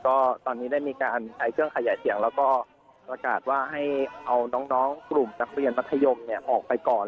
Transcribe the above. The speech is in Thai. ก็ตอนนี้ได้มีการใช้เครื่องขยายเสียงแล้วก็ประกาศว่าให้เอาน้องกลุ่มนักเรียนมัธยมออกไปก่อน